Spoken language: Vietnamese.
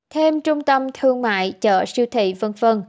thêm trung tâm thương mại chợ siêu thị v v